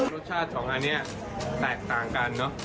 รสชาติของอันนี้แตกต่างกันเนอะ